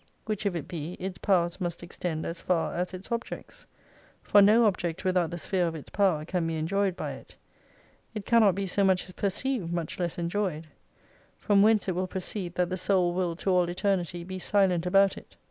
Which if it be, its powers must extend as far as its objects. For no object without the sphere of its power, can be enjoyed by it. It cannot be so much as perceived, much less enjoyed. From whence it will proceed, that the soul will to all Eternity be silent about it.